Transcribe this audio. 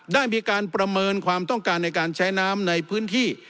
ได้มีการประเมินความต้องการในการใช้น้ำในพื้นที่